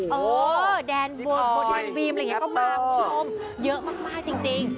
เพราะแดนบีมก็มาคุณผู้ชมเยอะมากจริง